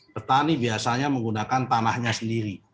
petani biasanya menggunakan tanahnya sendiri